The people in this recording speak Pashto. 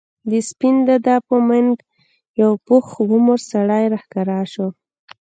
د سپين دادا په منګ یو پوخ عمر سړی راښکاره شو.